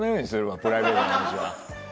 プライベートの話は。